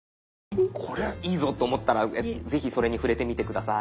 いいぞと思ったら是非それに触れてみて下さい。